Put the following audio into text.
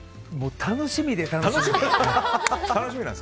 楽しみで楽しみで。